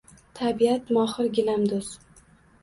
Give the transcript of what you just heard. Tabiat – mohir gilamdo’z.